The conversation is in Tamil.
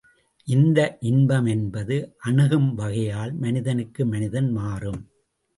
இந்த இன்பம் என்பது அணுகும் வகையால் மனிதனுக்கு மனிதன் மாறும்.